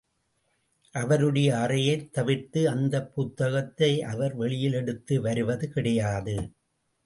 அவருடைய அறையைத் தவிர்த்து அந்தப் புத்தகத்தை அவர் வெளியில் எடுத்து வருவது கிடையாது.